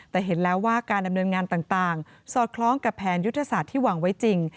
แต่เห็นแล้วว่าการดำเนินงานต่างสอดคล้องกับแผนยุทธศาสตร์ที่วางไว้จริง